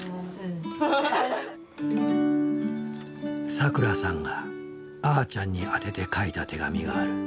さくらさんがあーちゃんに宛てて書いた手紙がある。